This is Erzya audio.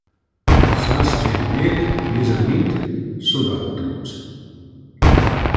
Сась тень мель — низанинть содавтомс.